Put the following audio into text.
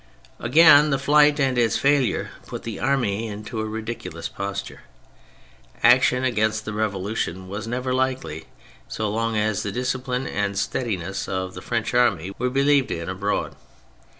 Again, the flight and its failure put the army into a ridiculous posture. Action against the Revolution was never likely, so long as the discipline and steadiness of the French army were believed in abroad.